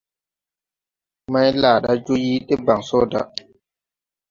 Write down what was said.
Maylaada yõõ yii debaŋ so da.